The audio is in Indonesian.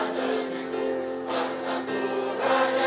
bersih merakyat kerja